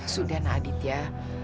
sudah nah aditya